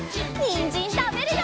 にんじんたべるよ！